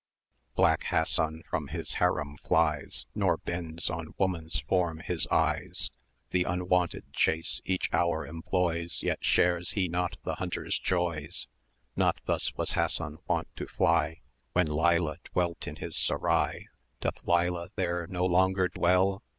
Black Hassan from the Haram flies, Nor bends on woman's form his eyes; 440 The unwonted chase each hour employs, Yet shares he not the hunter's joys. Not thus was Hassan wont to fly When Leila dwelt in his Serai. Doth Leila there no longer dwell?